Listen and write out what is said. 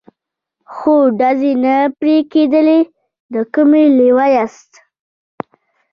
خو ډزې نه پرې کېدلې، د کومې لوا یاست؟